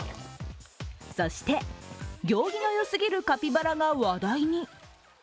そして、行儀のよすぎるカピバラが話題に。